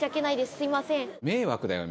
すいません迷惑だよ